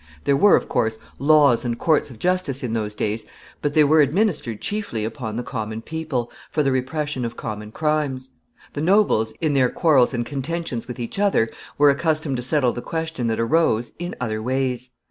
There were, of course, laws and courts of justice in those days, but they were administered chiefly upon the common people, for the repression of common crimes. The nobles, in their quarrels and contentions with each other, were accustomed to settle the questions that arose in other ways.